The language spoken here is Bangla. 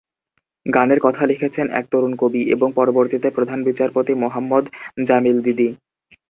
গানের কথা লিখেছেন এক তরুণ কবি এবং পরবর্তীতে প্রধান বিচারপতি মোহাম্মদ জামিল দিদি।